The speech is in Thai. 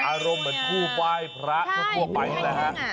อารมณ์เหมือนคู่ป้ายพระทั่วไปแหละฮะ